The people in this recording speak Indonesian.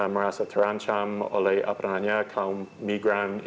merasa terancam oleh kaum migran